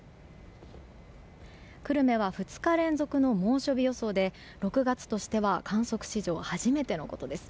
久留米は２日連続の猛暑日予想で６月としては観測史上初めてのことです。